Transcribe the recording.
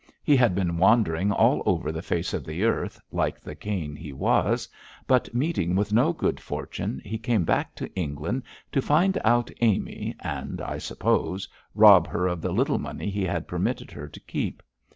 He had been wandering all over the face of the earth, like the Cain he was; but meeting with no good fortune, he came back to England to find out Amy, and, I suppose, rob her of the little money he had permitted her to keep.